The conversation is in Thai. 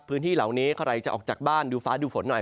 พื้นที่เหล่านี้ใครจะออกจากบ้านดูฟ้าดูฝนหน่อย